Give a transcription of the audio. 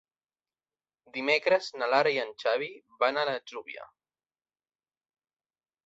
Dimecres na Lara i en Xavi van a l'Atzúbia.